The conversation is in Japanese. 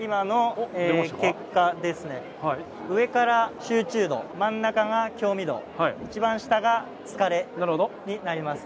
上から集中度、真ん中が興味度、一番下が疲れになります。